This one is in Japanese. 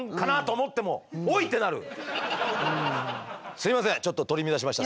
すいませんちょっと取り乱しました。